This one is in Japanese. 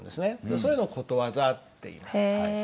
そういうのをことわざっていいます。